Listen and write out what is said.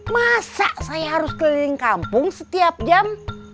masa saya harus keliling kampung setiap jam